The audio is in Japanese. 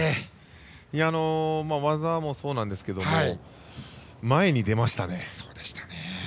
技もそうなんですけども前に出ましたね。